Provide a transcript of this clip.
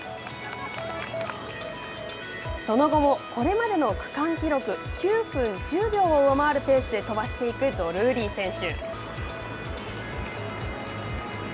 その後も、これまでの区間記録９分１０秒を上回るペースで飛ばしていくドルーリー選手。